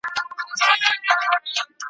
ترې راوځي به مړونه `